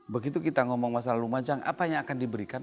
begitu kita ngomong masalah lumajang apa yang akan diberikan